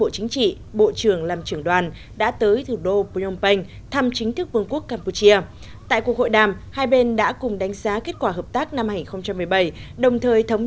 xin chào các bạn